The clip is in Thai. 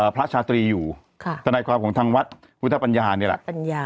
พระชาตรีอยู่ทนายความของทางวัดพุทธปัญญานี่แหละ